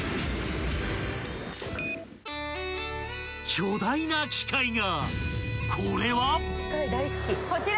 ［巨大な機械が］